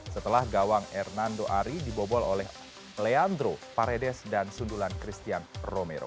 setelah gawang hernando ari dibobol oleh leandro paredes dan sundulan christian romero